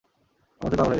আমান তুমি পাগল হয়ে গেছ।